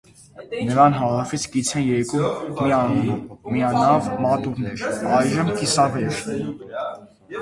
Նրան հարավից կից են երկու միանավ մատուռներ (այժմ՝ կիսավեր)։